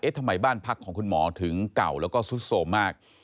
ทำไมบ้านพักของคุณหมอถึงเก่าแล้วก็ซุดโสมมาก